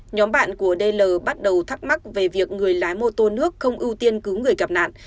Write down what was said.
nhóm bạn của dl bắt đầu thắc mắc về việc người lái mô tô nước không ưu tiên cứu người gặp nạn